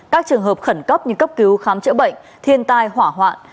các trường hợp khẩn cấp như cấp cứu khám chữa bệnh thiên tai hỏa hoạn